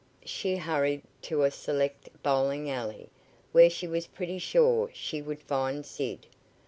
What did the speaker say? She hurried to a select bowling alley, where she was pretty sure she would find Sid.